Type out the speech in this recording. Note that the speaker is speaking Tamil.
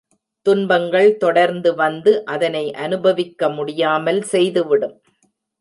துன்பங்கள் தொடர்ந்து வந்து அதனை அனுபவிக்க முடியாமல் செய்துவிடும்.